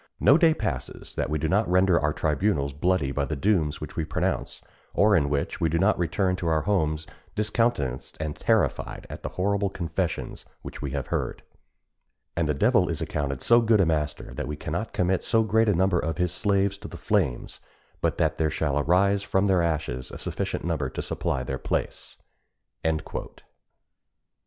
No day passes that we do not render our tribunals bloody by the dooms which we pronounce, or in which we do not return to our homes discountenanced and terrified at the horrible confessions which we have heard. And the devil is accounted so good a master, that we cannot commit so great a number of his slaves to the flames but what there shall arise from their ashes a sufficient number to supply their place."